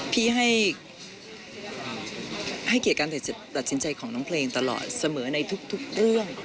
พี่ให้เกียรติการตัดสินใจของน้องเพลงตลอดเสมอในทุกเรื่อง